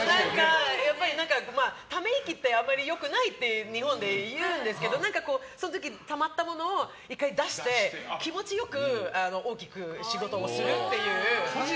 やっぱりため息ってあんまり良くないって日本で言うんですけどその時、たまったものを１回出して、気持ち良く大きく仕事をするっていう。